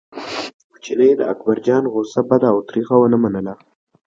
خو چیني د اکبرجان غوسه بده او تریخه ونه منله.